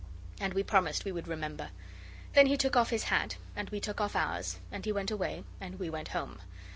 And we promised we would remember. Then he took off his hat, and we took off ours, and he went away, and we went home.